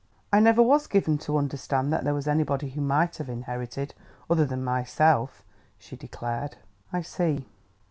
"I never was given to understand that there was anybody who might have inherited, other than myself," she declared. "I see..."